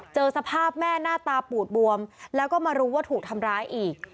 เจอสภาพแม่หน้าตาปูดบวมแล้วก็มารู้ว่าถูกทำร้ายอีก